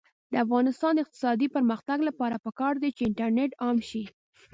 د افغانستان د اقتصادي پرمختګ لپاره پکار ده چې انټرنیټ عام شي.